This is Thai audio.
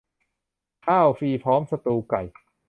ข้าวฟรีพร้อมสตูว์ไก่